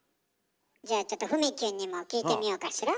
じゃあちょっとふみきゅんにも聞いてみようかしら。